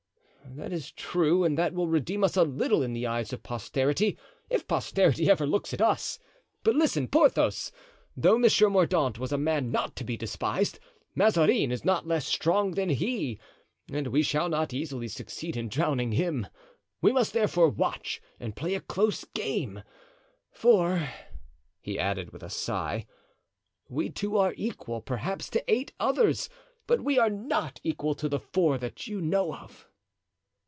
"That is true, and that will redeem us a little in the eyes of posterity, if posterity ever looks at us. But listen, Porthos: though Monsieur Mordaunt was a man not to be despised, Mazarin is not less strong than he, and we shall not easily succeed in drowning him. We must, therefore, watch and play a close game; for," he added with a sigh, "we two are equal, perhaps, to eight others; but we are not equal to the four that you know of."